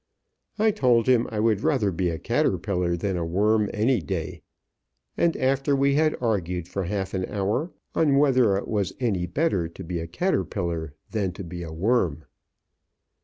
I told him I would rather be a caterpillar than a worm any day; and after we had argued for half an hour on whether it was any better to be a caterpillar than to be a worm.